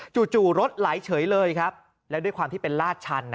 จู่รถไหลเฉยเลยครับแล้วด้วยความที่เป็นลาดชัน